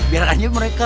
biar anjir mereka